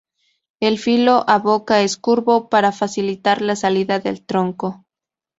El filo o boca es curvo, para facilitar la salida del tronco.